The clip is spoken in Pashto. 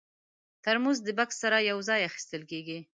ترموز د بکس سره یو ځای اخیستل کېږي.